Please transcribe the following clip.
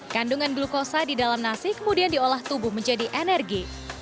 kandungan glukosa di dalam nasi kemudian diolah tubuh menjadi energi